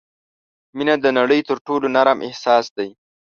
• مینه د نړۍ تر ټولو نرم احساس دی.